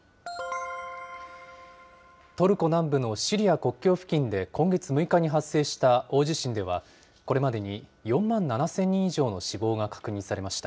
トルコ南部のシリア国境付近で今月６日に発生した大地震では、これまでに４万７０００人以上の死亡が確認されました。